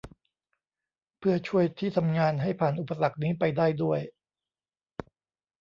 เพื่อช่วยที่ทำงานให้ผ่านอุปสรรคนี้ไปได้ด้วย